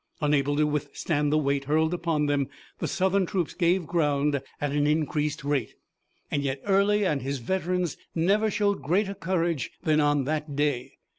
Unable to withstand the weight hurled upon them the Southern troops gave ground at an increased rate. Yet Early and his veterans never showed greater courage than on that day.